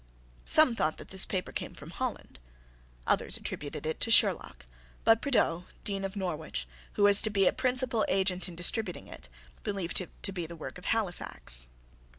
Some thought that this paper came from Holland. Others attributed it to Sherlock. But Prideaux, Dean of Norwich, who was a principal agent in distributing it, believed it to be the work of Halifax.